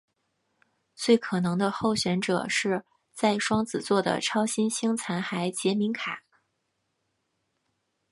最可能的候选者是在双子座的超新星残骸杰敏卡。